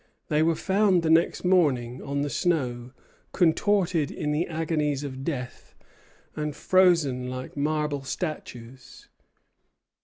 They were found the next morning on the snow, contorted in the agonies of death, and frozen like marble statues.